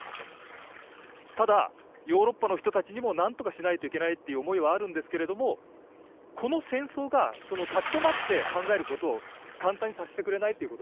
ただヨーロッパの人たちにもなんとかしないといけないという思いはあるんですけれどもこの戦争がその立ち止まって考えることを簡単にさしてくれないっていうことがありますよね。